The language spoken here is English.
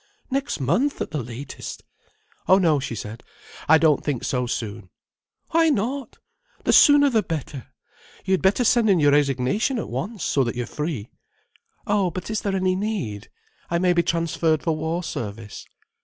Next month, at the latest." "Oh no," she said. "I don't think so soon." "Why not? The sooner the better. You had better send in your resignation at once, so that you're free." "Oh but is there any need? I may be transferred for war service."